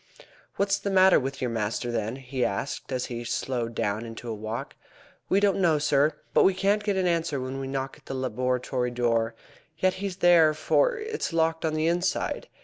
"What is the matter with your master, then?" he asked, as he slowed down into a walk. "We don't know, sir; but we can't get an answer when we knock at the laboratory door. Yet he's there, for it's locked on the inside.